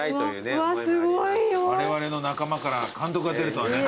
われわれの仲間から監督が出るとはね。